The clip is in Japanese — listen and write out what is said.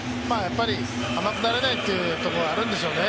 甘くなれないというところがあるんでしょうかね。